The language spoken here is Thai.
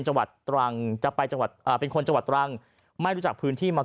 จังหวัดตรังจะไปจังหวัดอ่าเป็นคนจังหวัดตรังไม่รู้จักพื้นที่มา